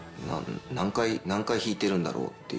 何回弾いてるんだろうっていう。